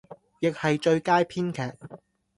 亦係最佳編劇